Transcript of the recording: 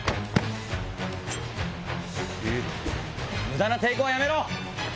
無駄な抵抗はやめろ！